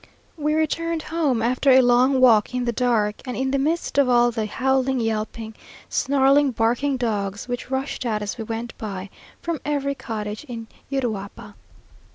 We returned home after a long walk in the dark, and in the midst of all the howling, yelping, snarling, barking dogs, which rushed out as we went by, from every cottage in Uruapa.